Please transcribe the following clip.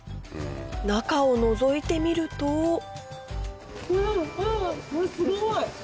中をのぞいてみるとうわすごい！